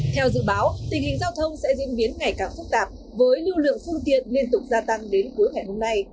theo dự báo tình hình giao thông sẽ diễn biến ngày càng phức tạp với lưu lượng phương tiện liên tục gia tăng đến cuối ngày hôm nay